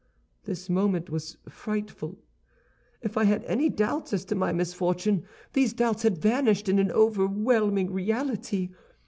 "This moment was frightful; if I had any doubts as to my misfortune, these doubts had vanished in an overwhelming reality.